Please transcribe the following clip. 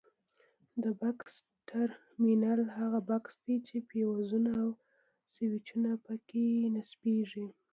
د بکس ټرمینل هغه بکس دی چې فیوزونه او سویچونه پکې نصبیږي.